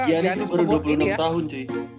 giannis tuh baru dua puluh enam tahun cuy